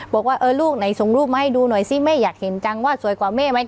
บอกว่าเออลูกไหนส่งรูปมาให้ดูหน่อยซิแม่อยากเห็นจังว่าสวยกว่าแม่ไหม